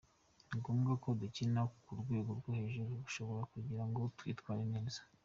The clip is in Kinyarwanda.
Ni ngombwa ko dukina ku rwego rwo hejuru rushoboka kugira ngo twitware neza.